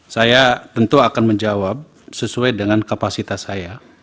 saya tentu akan menjawab sesuai dengan kapasitas saya